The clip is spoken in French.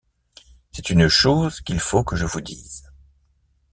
C’est une chose qu’il faut que je vous dise.